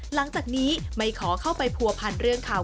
หลังจากนี้ไม่ขอเข้าไปผัวพันเรื่องข่าว